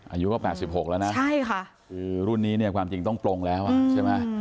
อายุก็๘๖แล้วนะใช่ค่ะคือรุ่นนี้เนี่ยความจริงต้องปลงแล้วใช่ไหม